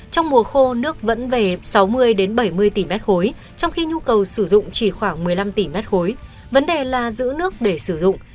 trong mùa khô nước vẫn về sáu mươi bảy mươi tỷ m ba trong khi nhu cầu sử dụng chỉ khoảng một mươi năm tỷ mét khối vấn đề là giữ nước để sử dụng